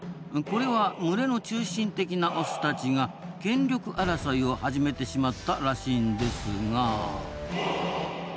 これは群れの中心的なオスたちが権力争いを始めてしまったらしいんですが。